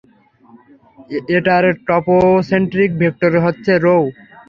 এটার topocentric vector হচ্ছে রোও।